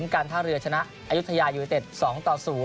การท่าเรือชนะอายุทยายูนิเต็ด๒ต่อ๐